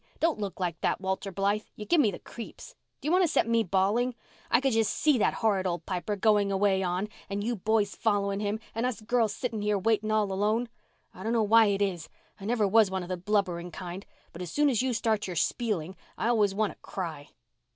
"Don't look like that, Walter Blythe. You give me the creeps. Do you want to set me bawling? I could just see that horrid old Piper going away on, and you boys following him, and us girls sitting here waiting all alone. I dunno why it is—I never was one of the blubbering kind—but as soon as you start your spieling I always want to cry."